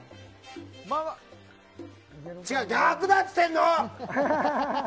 違う、逆だって言ってんの！